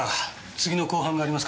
次の公判がありますから。